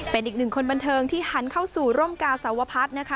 เป็นอีกหนึ่งคนบันเทิงที่หันเข้าสู่ร่มกาสาวพัฒน์นะคะ